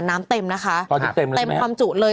น้ำเต็มนะคะเต็มความจุเลย